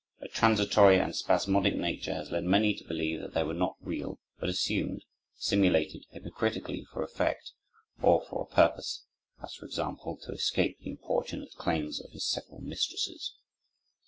Their transitory and spasmodic nature has led many to believe that they were not real, but assumed, simulated hypocritically for effect, or for a purpose; as, for example, to escape the importunate claims of his several mistresses.